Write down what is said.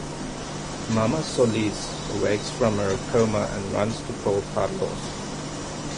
Mama Solis awakes from her coma and runs to call Carlos.